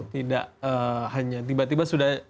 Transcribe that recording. tidak hanya tiba tiba sudah